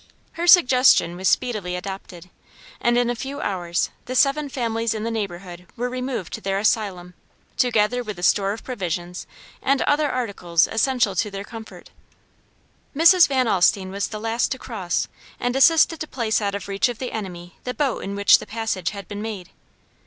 Her suggestion was speedily adopted, and in a few hours the seven families in the neighborhood were removed to their asylum, together with a store of provisions and other articles essential to their comfort. Mrs. Van Alstine was the last to cross and assisted to place out of reach of the enemy, the boat in which the passage had been made.